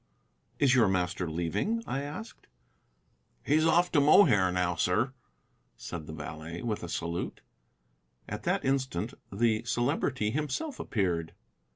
"Is your master leaving?" I asked. "He's off to Mohair now, sir," said the valet, with a salute. At that instant the Celebrity himself appeared.